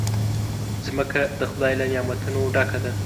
مځکه د خدای له نعمتونو ډکه ده.